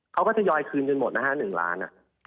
เขาก็จะย่อยคืนถึงหมดนะฮะหนึ่งล้าน